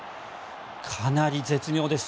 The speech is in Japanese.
かなり絶妙です。